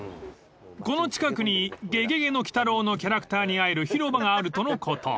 ［この近くに『ゲゲゲの鬼太郎』のキャラクターに会える広場があるとのこと］